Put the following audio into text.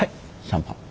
シャンパン。